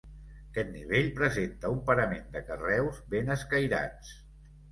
Aquest nivell presenta un parament de carreus ben escairats.